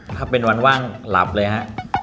ถ้าเป็นวันว่างหลับเลยฮะ